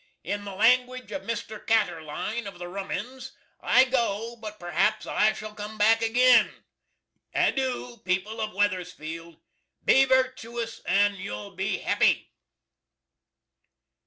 In the langwidge of Mister Catterline to the Rummuns, I go, but perhaps I shall cum back agin. Adoo, people of Weathersfield. Be virtoous & you'll be happy!